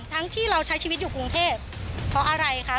ที่เราใช้ชีวิตอยู่กรุงเทพเพราะอะไรคะ